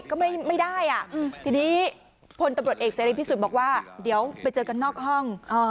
ก็ไม่ได้อ่ะทีนี้พลตำรวจเอกเสรีพิสุทธิ์บอกว่าเดี๋ยวไปเจอกันนอกห้อง